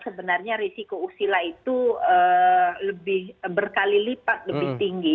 karena sebenarnya risiko usila itu lebih berkali lipat lebih tinggi